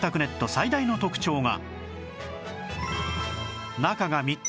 最大の特徴が